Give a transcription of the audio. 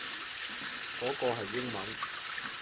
嗰個係英文